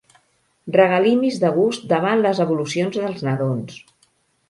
Regalimis de gust davant les evolucions dels nadons.